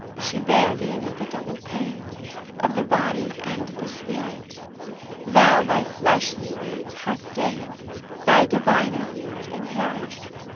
She bare thee with a double pain, Of the body and the spirit; Thou thy fleshly weeds hast ta'en, Thy diviner weeds inherit!